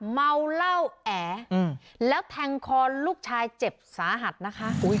เมาเหล้าแอแล้วแทงคอลูกชายเจ็บสาหัสนะคะ